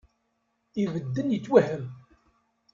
Ibedden yetwehhem